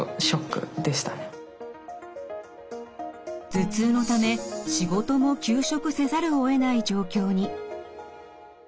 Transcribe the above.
頭痛のため仕事も休職せざるをえない状況に。